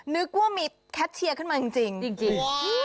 นึกว่ามีแคทเชียร์ขึ้นมาจริง